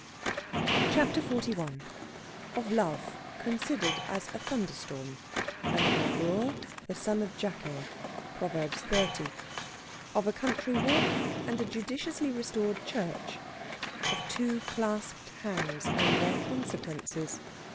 CHAPTER XLI OF LOVE, CONSIDERED AS A THUNDERSTORM, AND OF AGUR, THE SON OF JAKEH (PROV. XXX.). OF A COUNTRY WALK AND A JUDICIOUSLY RESTORED CHURCH. OF TWO CLASPED HANDS, AND THEIR CONSEQUENCES.